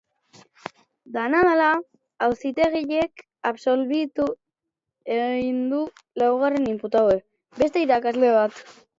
Dena dela, auzitegiak absolbitu egin du laugarren inputatua, beste irakasle bat.